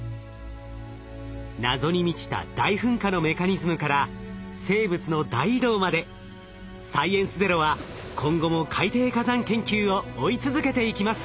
謎に満ちた大噴火のメカニズムから生物の大移動まで「サイエンスＺＥＲＯ」は今後も海底火山研究を追い続けていきます。